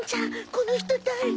この人誰？